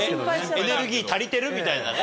エネルギー足りてる？みたいなね。